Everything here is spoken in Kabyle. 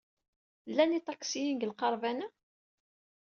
Llan yiṭaksiyen deg lqerban-a?